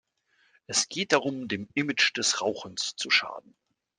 Es geht darum, dem Image des Rauchens zu schaden.